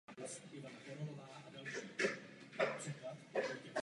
Nohy jsou v poměru k tělu dlouhé a tlusté.